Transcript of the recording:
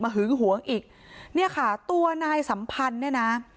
หึงหวงอีกเนี่ยค่ะตัวนายสัมพันธ์เนี่ยนะ